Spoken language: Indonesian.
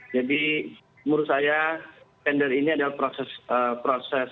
jadi menurut saya tender ini adalah proses